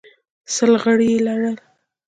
سل غړي یې لرل